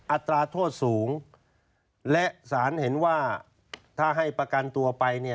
อัตราโทษสูงและสารเห็นว่าถ้าให้ประกันตัวไปเนี่ย